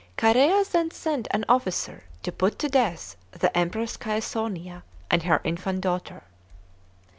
Chorea then sent an officer to put to death the Empress Caesunia and her infant daughter.